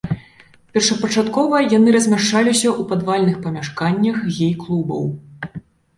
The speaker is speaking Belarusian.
Першапачаткова яны размяшчаліся ў падвальных памяшканнях гей-клубаў.